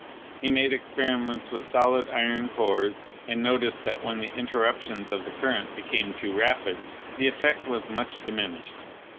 He made experiments with solid iron cores, and noticed that when the interruptions of the current be came too rapid, the effect was much diminished.